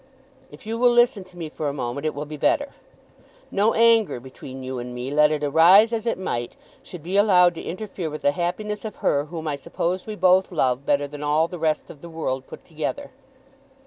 "If you will listen to me for a moment it will be better. No anger between you and me, let it arise as it might, should be allowed to interfere with the happiness of her whom I suppose we both love better than all the rest of the world put together."